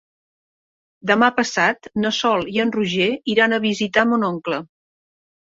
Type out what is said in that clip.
Demà passat na Sol i en Roger iran a visitar mon oncle.